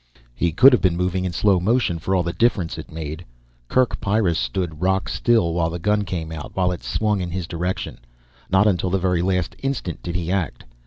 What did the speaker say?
He could have been moving in slow motion for all the difference it made. Kerk Pyrrus stood rock still while the gun came out, while it swung in his direction. Not until the very last instant did he act.